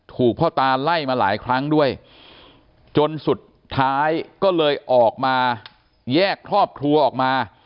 พ่อตาไล่มาหลายครั้งด้วยจนสุดท้ายก็เลยออกมาแยกครอบครัวออกมา